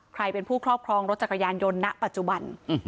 ใครเป็นผู้ครอบครองรถจักรยานยนต์ณปัจจุบัน